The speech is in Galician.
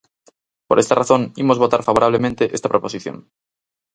Por esta razón, imos votar favorablemente esta proposición.